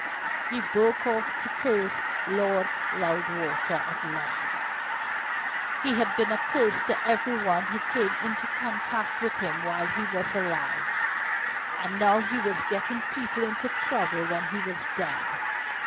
He broke off to curse Lord Loudwater at length. He had been a curse to every one who came into contact with him while he was alive, and now he was getting people into trouble when he was dead.